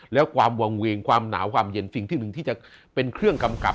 แล้วความวางเวงความหนาวความเย็นสิ่งที่หนึ่งที่จะเป็นเครื่องกำกับ